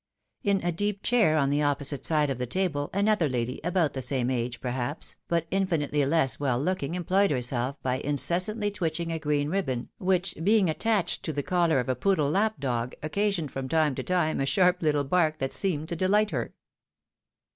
In a deep chair on the opposite side of. the table, another lady, about the same age, perhaps, but infinitely less well looking, employed herself by incessantly twitching a green ribbon, which being attached to the collar of a poodle lap dog, occasioned from time to time a sharp little bark that seemed to delight her.